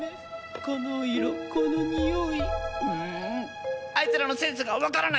この色このにおいううあいつらのセンスがわからない！